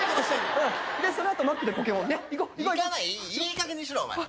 いいかげんにしろお前。